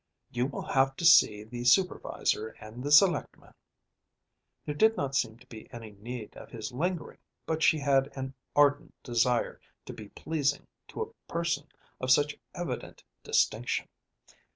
"You will have to see the supervisor and the selectmen." There did not seem to be any need of his lingering, but she had an ardent desire to be pleasing to a person of such evident distinction.